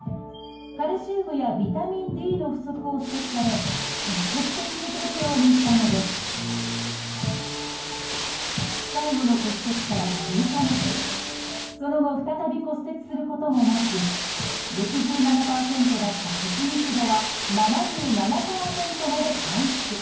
カルシウムやビタミンＤの不足を指摘され積極的にとるようにしたのです最後の骨折から９か月その後再び骨折することもなく６７％だった骨密度は７７％まで回復。